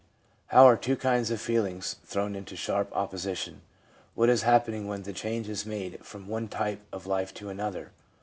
How are two kinds of feeling thrown into sharp opposition ? What is happening when the change is made from one type of life to another